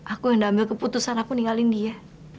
aku yang ambil keputusan aku ninggalin dia